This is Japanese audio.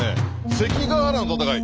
「関ヶ原の戦い」